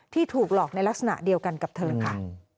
ถูกหลอกในลักษณะเดียวกันกับเธอค่ะ